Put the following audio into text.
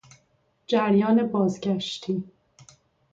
جریان بازگشتی